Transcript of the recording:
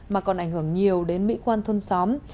mà còn ảnh hưởng nhiều đến mỹ quan thôn xóm